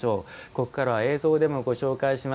ここからは映像でもご紹介しました